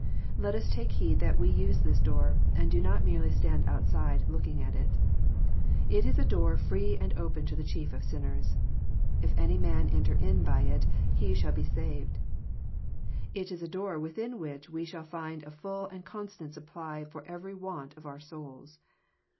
Let us take heed that we use this door, and do not merely stand outside looking at it. It is a door free and open to the chief of sinners : ''If any man enter in by it, he shall be saved." It is a door within which we shall find a full and constant supply for every want of our souls.